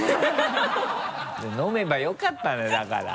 飲めばよかったのよだから。